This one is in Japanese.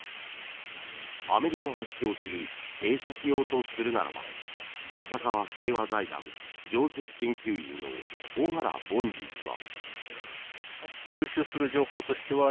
アメリカが主張する偵察用とするならば笹川平和財団上席研究員の小原凡司氏は。